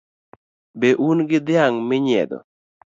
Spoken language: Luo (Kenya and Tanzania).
Be un gi dhiang' minyiedho?